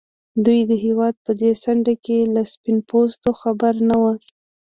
دوی د هېواد په دې څنډه کې له سپين پوستو خبر نه وو.